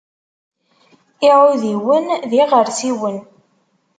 Iɛudiwen d iɣersiwen.